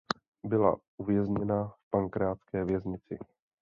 Byla uvězněna v pankrácké věznici.